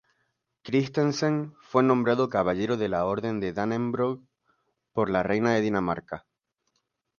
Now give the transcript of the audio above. Kristensen fue nombrado Caballero de la Orden de Dannebrog por la Reina de Dinamarca.